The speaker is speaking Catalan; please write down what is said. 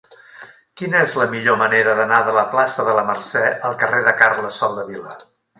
Quina és la millor manera d'anar de la plaça de la Mercè al carrer de Carles Soldevila?